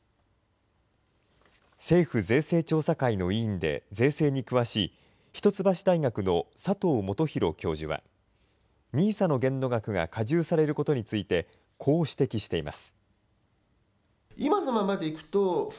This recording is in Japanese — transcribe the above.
政府税制調査会の委員で、税制に詳しい一橋大学の佐藤主光教授は、ＮＩＳＡの限度額がかじゅうされることについて、こう指摘しています。